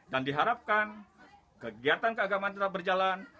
dan diharapkan kegiatan keagamaan tetap berjalan